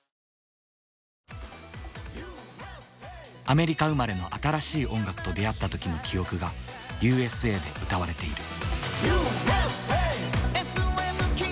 アメリカ生まれの新しい音楽と出会った時の記憶が「Ｕ．Ｓ．Ａ．」で歌われている。